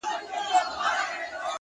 علم د بریا لارې اسانه کوي.